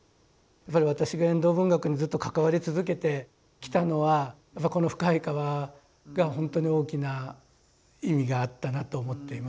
やっぱり私が遠藤文学にずっと関わり続けてきたのはこの「深い河」がほんとに大きな意味があったなと思っています。